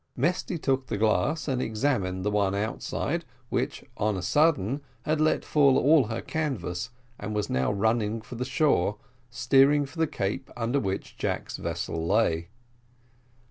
Mesty took the glass and examined the one outside, which, on a sudden, had let fall all her canvas, and was now running for the shore, steering for the cape under which Jack's vessel lay.